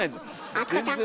淳子ちゃん！